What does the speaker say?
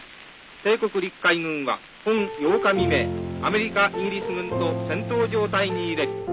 帝国陸海軍は本８日未明アメリカイギリス軍と戦闘状態に入れり」。